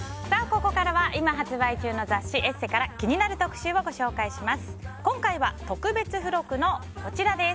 ここからは今発売中の雑誌「ＥＳＳＥ」から気になる特集をご紹介します。